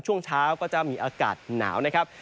ช่วงเช้าก็จะมีอากาศหนาวนะครับ